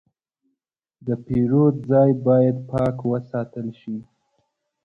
د پیرود ځای باید پاک وساتل شي.